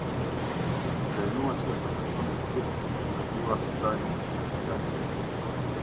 Dizajnues është personi fizik i cili ka krijuar dizajnin industrial.